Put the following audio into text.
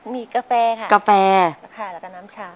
มีกาแฟค่ะ